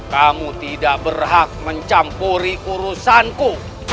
kamu tidak berhak mencampuri urusanku